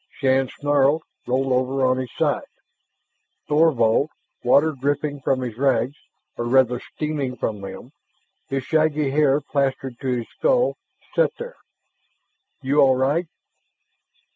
Shann snarled, rolled over on his side. Thorvald, water dripping from his rags or rather steaming from them his shaggy hair plastered to his skull, sat there. "You all right?"